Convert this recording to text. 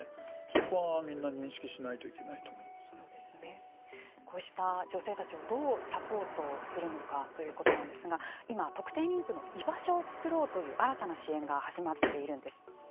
そこはみんな認識しないとこうした女性たちをどうサポートするのかということなんですが今、特定妊婦の居場所を作ろうという新たな支援が始まっているんです。